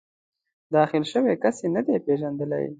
داخل شوی کس یې نه دی پېژندلی.